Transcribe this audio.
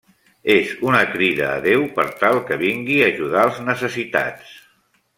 És una crida a Déu per tal que vingui a ajudar els necessitats.